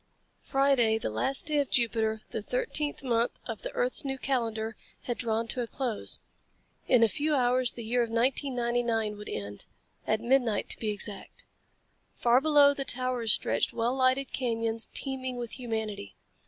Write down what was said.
Friday, the last day of Jupiter, the thirteenth month of the earth's new calendar, had drawn to a close. In a few hours the year of 1999 would end at midnight, to be exact. Far below the towers stretched well lighted canyons teeming with humanity.